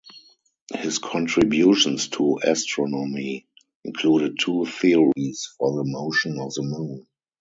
His contributions to astronomy included two theories for the motion of the Moon.